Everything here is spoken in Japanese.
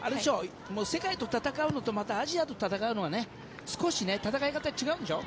世界と戦うのとアジアと戦うのは少し戦い方、違うでしょ？